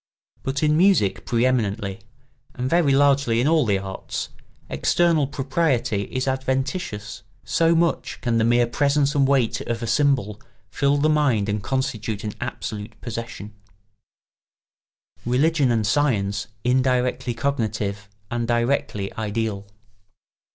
But in music pre eminently, and very largely in all the arts, external propriety is adventitious; so much can the mere presence and weight of a symbol fill the mind and constitute an absolute possession. [Sidenote: Religion and science indirectly cognitive and directly ideal.